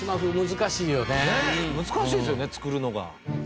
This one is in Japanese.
難しいですよね作るのが。